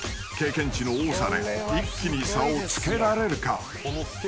［経験値の多さで一気に差をつけられるか？］